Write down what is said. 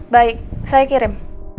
baik saya kirim